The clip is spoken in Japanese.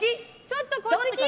ちょっとこっち来。